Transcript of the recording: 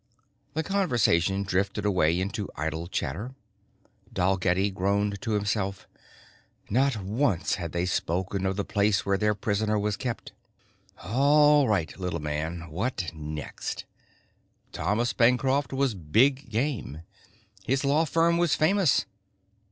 The conversation drifted away into idle chatter. Dalgetty groaned to himself. Not once had they spoken of the place where their prisoner was kept. All right, little man, what next? Thomas Bancroft was big game. His law firm was famous.